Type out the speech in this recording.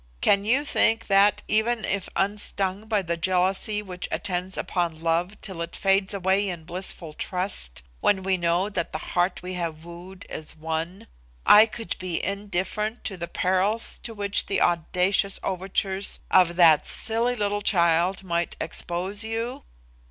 Can you think that, even if unstung by the jealousy which attends upon love till it fades away in blissful trust when we know that the heart we have wooed is won, I could be indifferent to the perils to which the audacious overtures of that silly little child might expose you?"